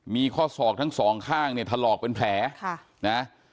มีข้อศอกทั้ง๒ข้างเนี้ยถลอกเป็นแผล